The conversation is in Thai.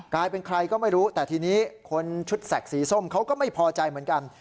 กลายเป็นใครก็ไม่รู้แต่ทีนี้คนชุดแสกสีส้มเขาก็ไม่พอใจเหมือนกัน